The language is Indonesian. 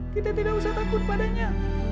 kita tidak usah takut padanya